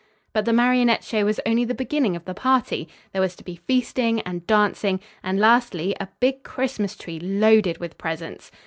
But the marionette show was only the beginning of the party. There was to be feasting and dancing, and, lastly, a big Christmas tree loaded with presents.